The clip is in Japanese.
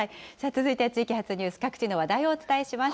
続いて地域発ニュース、各地の話題をお伝えします。